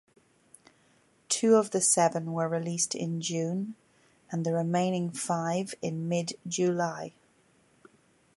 Two of the seven were released in June and the remaining five in mid-July.